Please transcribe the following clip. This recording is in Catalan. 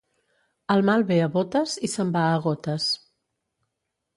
El mal ve a botes i se'n va a gotes.